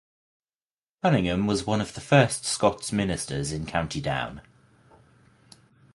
Cunningham was one of the first Scots ministers in County Down.